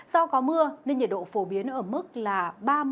do có mưa nên nhiệt độ phổ biến ở mức là ba mươi bốn độ vào trưa chiều